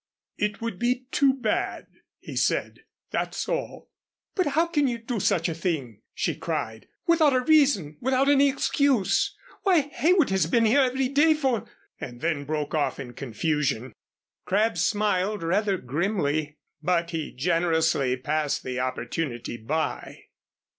"It would be too bad," he said, "that's all." "But how can you do such a thing," she cried, "without a reason without any excuse? Why, Heywood has been here every day for " and then broke off in confusion. Crabb smiled rather grimly, but he generously passed the opportunity by.